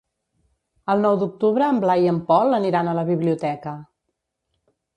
El nou d'octubre en Blai i en Pol aniran a la biblioteca.